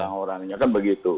orang orangnya kan begitu